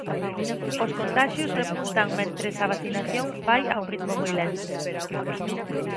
Os contaxios repuntan mentres a vacinación vai a un ritmo moi lento.